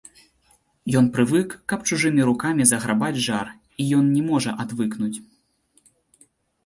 Ён прывык, каб чужымі рукамі заграбаць жар, і ён не можа адвыкнуць.